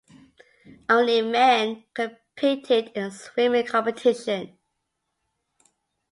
Only men competed in the swimming competition.